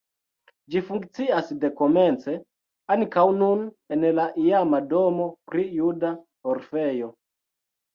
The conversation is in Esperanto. Ĝi funkcias dekomence ankaŭ nun en la iama domo pri juda orfejo.